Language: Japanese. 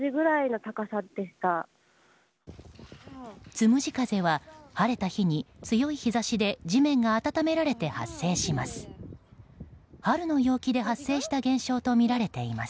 つむじ風は晴れた日に強い日差しで地面が温められて発生します。